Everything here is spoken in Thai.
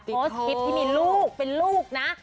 เพราะที่มีลูกเป็นลูกนะ